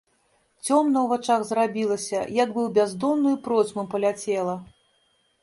Цёмна ў вачах зрабілася, як бы ў бяздонную процьму паляцела.